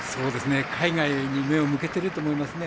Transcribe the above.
海外に目を向けていると思いますね。